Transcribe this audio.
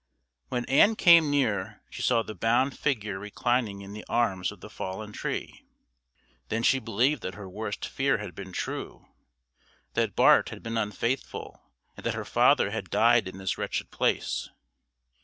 When Ann came near she saw the bound figure reclining in the arms of the fallen tree. Then she believed that her worst fear had been true that Bart had been unfaithful, and that her father had died in this wretched place.